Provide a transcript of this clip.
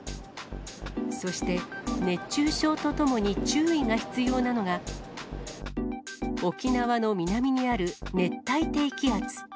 そして、熱中症とともに注意が必要なのが、沖縄の南にある熱帯低気圧。